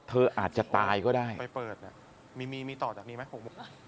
เธออาจจะตายก็ได้ไปเปิดมีต่อจากนี้มั้ย